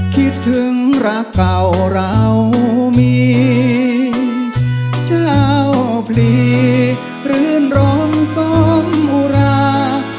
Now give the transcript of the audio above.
คิดถึงรักเก่าเรามีเจ้าพลีรื่นรมสมอุรา